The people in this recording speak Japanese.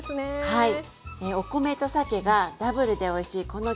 はい。